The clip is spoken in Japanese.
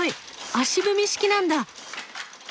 足踏み式なんだ。